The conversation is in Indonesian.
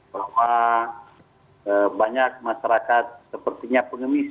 bahwa banyak masyarakat sepertinya pengemis